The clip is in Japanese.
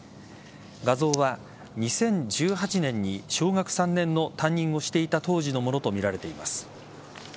画像は２０１８年に小学３年の担任をしていた当時のものとみられています。